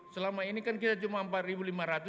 selama ini kan kita cuma rp empat lima ratus